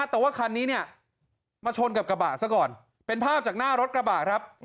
แต่ว่าคันนี้เนี่ยมาชนกับกระบะซะก่อนเป็นภาพจากหน้ารถกระบะครับ